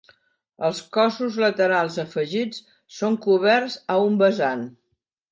Els cossos laterals afegits són coberts a un vessant.